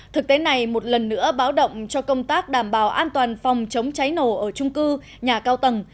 thực tế này một lần nữa báo động cho công tác đảm bảo an toàn phòng chống cháy nổ ở trung cư nhà cao tầng